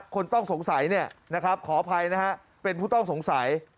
คนต้องสงสัยเนี่ยขออภัยนะครับเป็นผู้ต้องสงสัย